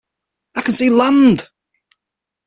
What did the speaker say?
I can see land!